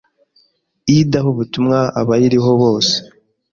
idaha ubutumwa abayiriho bose